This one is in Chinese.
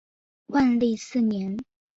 万历四年丙子科举人。